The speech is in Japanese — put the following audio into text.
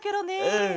うん。